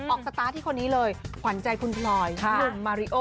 ออคสตาร์ตที่คนนี้เลยขวัญใจคุณผลอยลุงมาริโอ